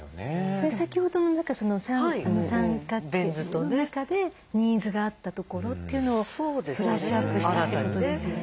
それ先ほどの三角形の中でニーズがあったところというのをブラッシュアップしたってことですよね。